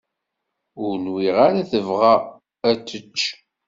Ur nwiɣ ara tebɣa ad tečč.